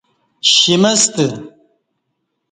شِمستہ